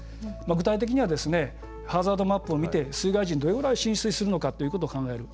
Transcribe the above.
具体的にはハザードマップを見て水害時にどれぐらい浸水するのかということを考える。